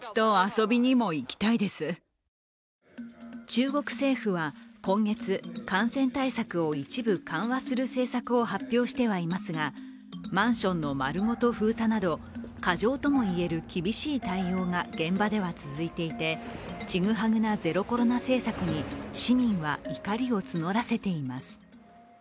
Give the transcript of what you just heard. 中国政府は今月、感染対策を一部緩和する政策を発表してはいますが、マンションの丸ごと封鎖など過剰ともいえる厳しい対応が現場では続いていて、ちぐはぐなゼロコロナ政策に市民は怒りを募らせています。